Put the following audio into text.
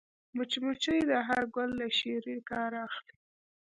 مچمچۍ د هر ګل له شيرې کار اخلي